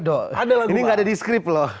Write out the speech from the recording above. do ada lagu bang ini gak ada di skrip loh